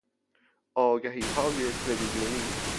آگهیهای تلویزیونی